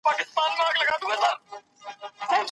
دا ليکنه له هغې ښه ده.